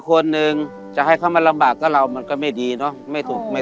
เขาก็ไม่บอกเราสักทีเลยค่ะ